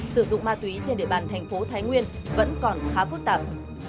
sử dụng ma túy trên địa bàn thành phố thái nguyên vẫn còn khá phức tạp